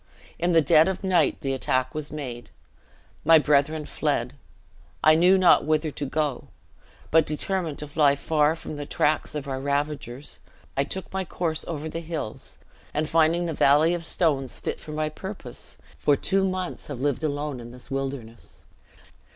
In the dead of night the attack was made. My brethren fled; I knew not whither to go; but, determined to fly far from the tracts of our ravagers, I took my course over the hills, and finding the valley of stones fit for my purpose, for two months have lived alone in this wilderness."